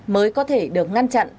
mới có thể được ngăn chặn